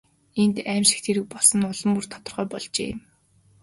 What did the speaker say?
Энд аймшигт хэрэг болсон нь улам бүр тодорхой болжээ.